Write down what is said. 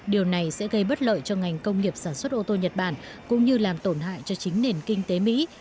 điều này sẽ gây bất lợi cho ngành công nghiệp sản xuất ô tô nhật bản cũng như làm tổn hại cho chính nền kinh tế mỹ